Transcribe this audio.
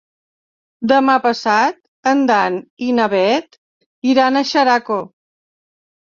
Demà passat en Dan i na Bet iran a Xeraco.